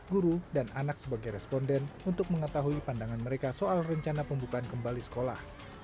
guru dan anak sebagai responden untuk mengetahui pandangan mereka soal rencana pembukaan kembali sekolah